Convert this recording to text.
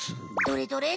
どれどれ？